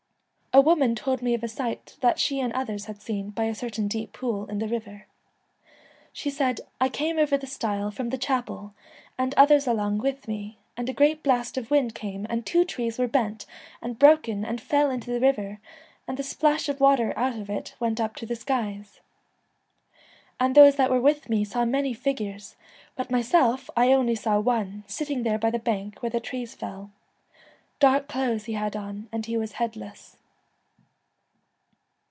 104 A woman told me of a sight that she Enchanted and others had seen by a certain deep pool in the river. She said, * I came over the stile from the chapel, and others along with me ; and a great blast of wind came and two trees were bent and broken and fell into the river, and the splash of water out of it went up to the skies. And those that were with me saw many figures, but myself I only saw one, sitting there by the bank where the trees fell. Dark clothes he had on, and he was headless.'